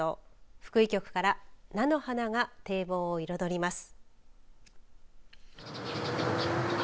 福井局から菜の花が堤防を彩ります。